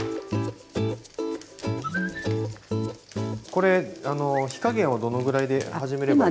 これ火加減はどのぐらいで始めれば。